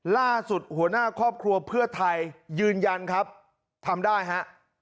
ล่าสุดหัวหน้าครอบครัวเพื่อไทยยืนยันครับทำได้ฮะ